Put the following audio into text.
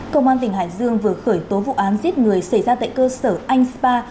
công an tỉnh hải dương vừa khởi tố vụ án giết người xảy ra tại cơ sở anh spa